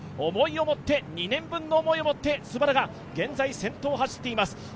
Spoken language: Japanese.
思いを持って２年分の思いを持ってＳＵＢＡＲＵが現在、先頭を走っています